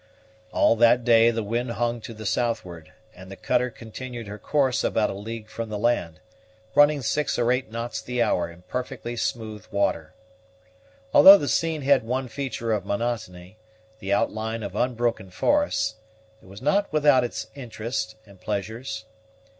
All that day the wind hung to the southward, and the cutter continued her course about a league from the land, running six or eight knots the hour in perfectly smooth water. Although the scene had one feature of monotony, the outline of unbroken forest, it was not without its interest and pleasures.